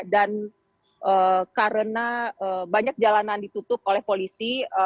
dan karena banyak jalanan ditutup oleh polisi